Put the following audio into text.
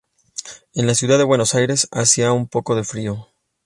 En la ciudad de Buenos Aires hacía un poco de frío.